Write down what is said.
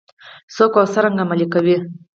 څوک او څرنګه عملي کوي؟